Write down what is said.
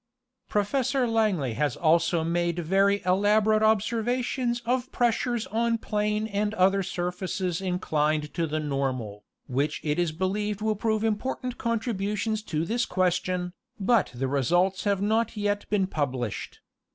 Professor Langley has also made very elaborate observations of pressures on plane and other surfaces inclined to the normal, Geography of the Avr. 61 which it is believed will prove important contributions to this question, but the results have not yet been published.